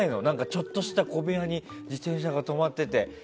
ちょっとした小部屋に自転車が止まってて。